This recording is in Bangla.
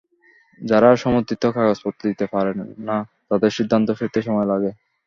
যাঁরা সমর্থিত কাগজপত্র দিতে পারেন না, তাঁদের সিদ্ধান্ত পেতে সময় লাগে।